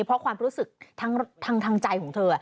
เพราะความรู้สึกทางใจของเธอ